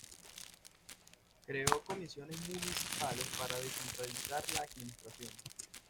Creó comisiones municipales para descentralizar la administración.